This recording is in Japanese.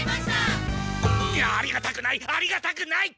ありがたくないありがたくない！